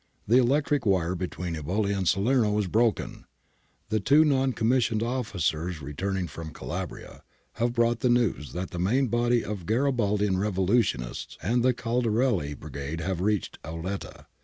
The electric wire between Eboli and Salerno is broken. Two non com missioned officers, returning from Calabria, have brought the news that the main body of Garibaldian revolutionists and the Caldarelli brigade have reached Auletta.